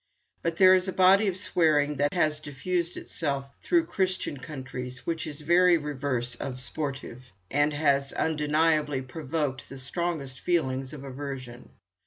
But there is a body of swearing that has diffused itself through Christian countries which is the very reverse of sportive, and has undeniably provoked the strongest feelings of aversion.